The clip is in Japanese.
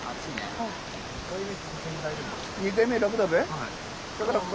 はい。